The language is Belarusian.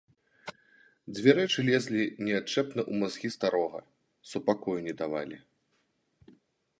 Дзве рэчы лезлі неадчэпна ў мазгі старога, супакою не давалі.